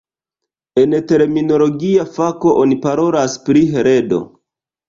En terminologia fako, oni parolas pri heredo.